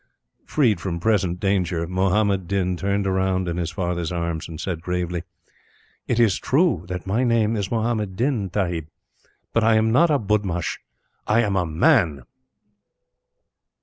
Freed from present danger, Muhammad Din turned round, in his father's arms, and said gravely: "It is true that my name is Muhammad Din, Tahib, but I am not a budmash. I am a MAN!"